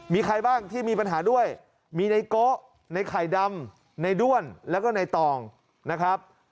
มีใครบ้างที่มีปัญหาด้วยมีในโกะในไข่ดำในด้วนแล้วก็ในตองนะครับ